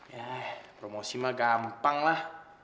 ya promosi mah gampang lah